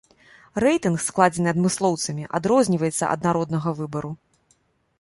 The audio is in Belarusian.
Рэйтынг, складзены адмыслоўцамі, адрозніваецца ад народнага выбару.